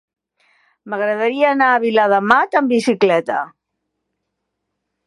M'agradaria anar a Viladamat amb bicicleta.